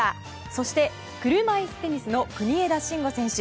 そして車いすテニスの国枝慎吾選手。